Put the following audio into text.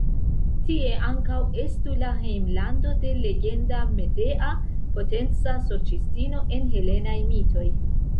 Tie ankaŭ estu la hejmlando de legenda Medea, potenca sorĉistino en helenaj mitoj.